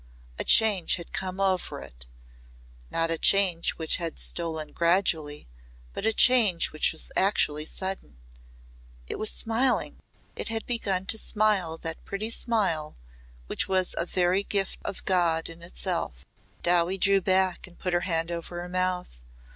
A change had come over it not a change which had stolen gradually but a change which was actually sudden. It was smiling it had begun to smile that pretty smile which was a very gift of God in itself. Dowie drew back and put her hand over her mouth.